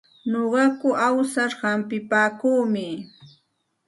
Nuqaku awsar humpipaakuumi.